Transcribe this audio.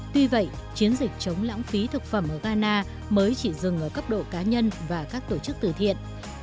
tuy vậy chiến dịch chống lãng phí thực phẩm ở ghana mới chỉ dừng ở cấp độ cá nhân và các tổ chức từ thiện